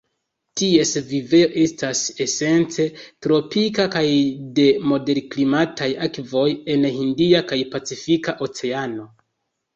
Ties vivejo estas esence tropika kaj de moderklimataj akvoj en Hindia kaj Pacifika Oceano.